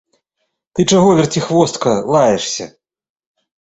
Ты чаго, верціхвостка, лаешся!